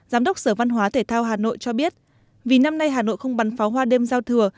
giám đốc sở văn hóa thể thao hà nội cho biết vì năm nay hà nội không bắn pháo hoa đêm giao thừa